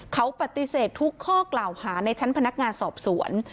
เขาปฏิเสธทุกข้อกล่าวหาในชั้นพนักงานสอบสวน